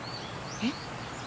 えっ？